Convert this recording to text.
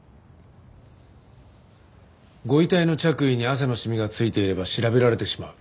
ご遺体の着衣に汗の染みが付いていれば調べられてしまう。